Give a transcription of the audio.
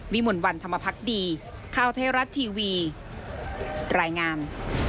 วิมุลวันธรรมพักดีข้าวเทราะทีวีรายงาน